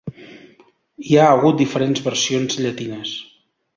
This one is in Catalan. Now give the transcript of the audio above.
Hi ha hagut diferents versions llatines.